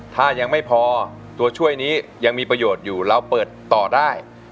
ถ้ายังไม่พอตัวช่วยนี้ยังมีประโยชน์อยู่เราเปิดต่อได้